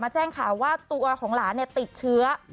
แจ้งข่าวว่าตัวของหลานติดเชื้อ